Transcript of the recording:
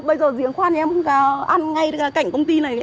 bây giờ giếng khoan nhà em không có ăn ngay cạnh công ty này